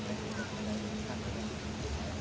สวัสดีครับทุกคน